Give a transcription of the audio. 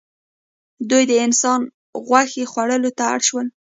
دوی د انسان غوښې خوړلو ته اړ شول.